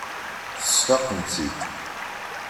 Tesfaqemt-tt-id.